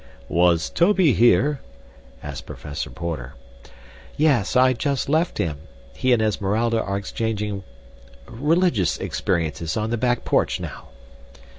"Was Tobey here?" asked Professor Porter. "Yes, I just left him. He and Esmeralda are exchanging religious experiences on the back porch now."